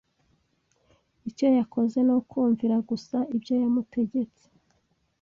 icyo yakoze ni ukumvira gusa ibyo yamutegetse